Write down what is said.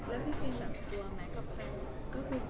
แล้วพี่ครีมกลัวไหมกับแฟน